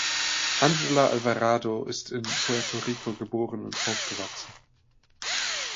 Angela Alvarado ist in Puerto Rico geboren und aufgewachsen.